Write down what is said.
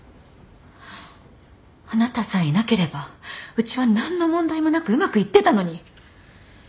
あなたさえいなければうちは何の問題もなくうまくいってたのに。